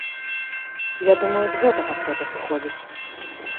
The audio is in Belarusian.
Я думаю, з гэтага трэба сыходзіць.